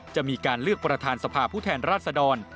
จะมีการเลือกประธานสภาผู้แทนราชดร